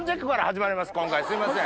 今回すいません。